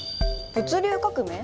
物流革命？